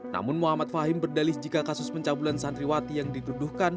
namun muhammad fahim berdalih jika kasus pencabulan santriwati yang dituduhkan